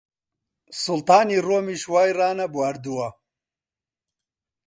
سوڵتانی ڕۆمیش وای ڕانەبواردووە!